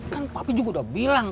kan papi juga udah bilang